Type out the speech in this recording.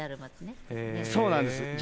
そうなんです。